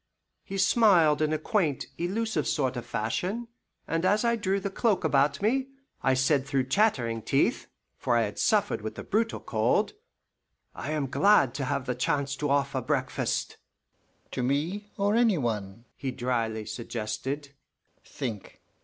He smiled in a quaint, elusive sort of fashion, and as I drew the cloak about me, I said through chattering teeth, for I had suffered with the brutal cold, "I am glad to have the chance to offer breakfast." "To me or any one?" he dryly suggested. "Think!